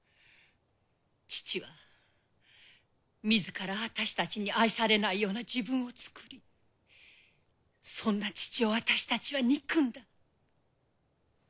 父は自ら私たちに愛されないような自分を作りそんな父を私たちは憎んだ。